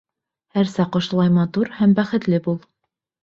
Һәр саҡ ошолай матур һәм бәхетле бул!